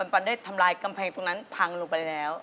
ปันได้ทำลายกำแพงตรงนั้นพังลงไปแล้ว